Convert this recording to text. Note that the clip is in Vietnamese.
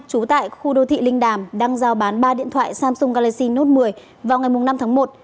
trú tại khu đô thị linh đàm đang giao bán ba điện thoại samsung galaxy note một mươi vào ngày năm tháng một